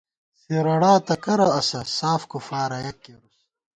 زِرَڑاتہ کرہ اسہ ساف کُفارہ یَک کېرُوس